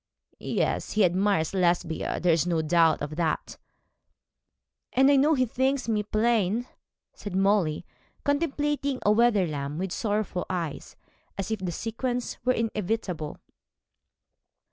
'Yes, he admires Lesbia. There is no doubt of that.' 'And I know he thinks me plain,' said Molly, contemplating Wetherlam with sorrowful eyes, as if the sequence were inevitable.